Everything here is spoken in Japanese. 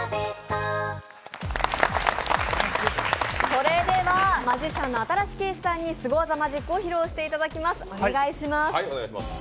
それではマジシャンの新子景視さんにすご技マジックを披露していただきます、お願いします。